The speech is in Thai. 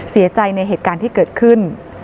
เสียใจในเหตุการณ์ที่เกิดขึ้น